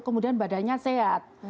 kemudian badannya sehat